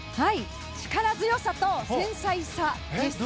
力強さと繊細さです。